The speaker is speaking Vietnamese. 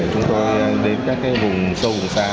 chúng tôi đến các vùng sâu vùng xa